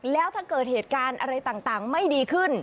แล้วถ้าเกิดเหตุการณ์อะไรต่างไม่ดีขึ้น